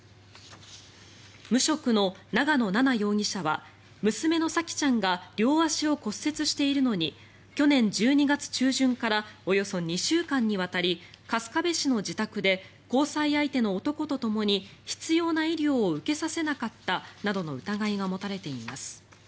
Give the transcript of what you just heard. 無職の長野奈々容疑者は娘の沙季ちゃんが両足を骨折しているのに去年１２月中旬からおよそ２週間にわたり春日部市の自宅で交際相手の男とともに必要な医療を受けさせなかったなどの疑いが持たれています。